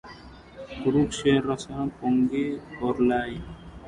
కరుణరసము పొంగి పొరలిపోయె